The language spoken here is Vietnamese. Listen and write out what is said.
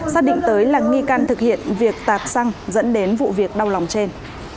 xác định tới là nghi can thực hiện việc tạc xăng dẫn đến vụ việc đau lòng trên